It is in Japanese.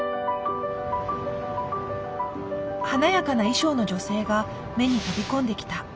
華やかな衣装の女性が目に飛び込んできた。